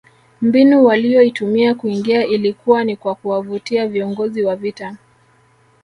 Mbinu waliyoitumia kuingia ilikuwa ni kwa kuwavutia viongozi wa vita